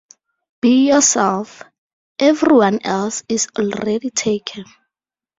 Be yourself; everyone else is already taken.